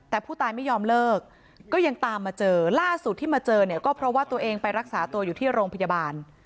แต่ผู้ตายไม่ยอมเลิกก็ยังตามมาเจอล่าสุดที่มาเจอเนี่ยก็เพราะว่าตัวเองไปรักษาตัวอยู่ที่โรงพยาบาล